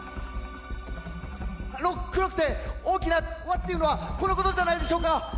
「黒くて大きな輪というのはこのことじゃないでしょうか？」